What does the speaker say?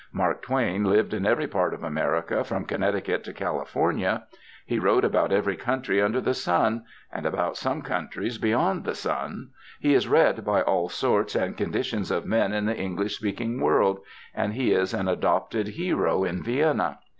Mark Twain lived in every part of America, from Connecticut to California, he wrote about every country under the sun (and about some countries beyond the sun), he is read by all sorts and conditions of men in the English speaking world, and he is an adopted hero in Vienna.